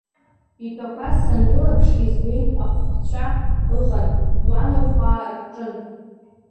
Итәақәаз санрылаԥш, избеит, ахәцәа ыҟан ҟәланырхәаа рҿынтә.